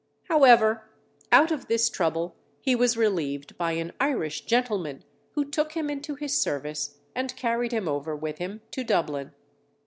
However, out of this trouble he was relieved by an Irish gentleman, who took him into his service, and carried him over with him to Dublin.